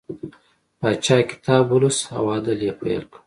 پاچا کتاب ولوست او عدل یې پیل کړ.